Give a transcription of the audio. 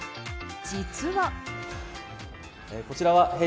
実は。